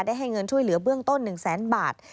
ให้เงินช่วยเหลือเบื้องต้น๑แสนบาท